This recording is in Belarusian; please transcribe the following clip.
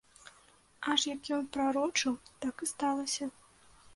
Аж як ён прарочыў, так і сталася.